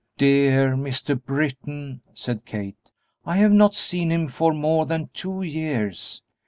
"Dear Mr. Britton," said Kate, "I have not seen him for more than two years.